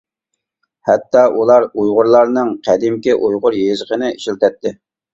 ھەتتا ئۇلار ئۇيغۇرلارنىڭ قەدىمكى ئۇيغۇر يېزىقىنى ئىشلىتەتتى.